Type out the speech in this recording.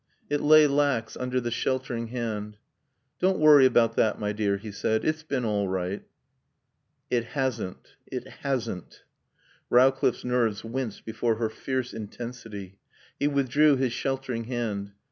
It lay lax under the sheltering hand. "Don't worry about that, my dear," he said. "It's been all right " "It hasn't. It hasn't." Rowcliffe's nerves winced before her fierce intensity. He withdrew his sheltering hand.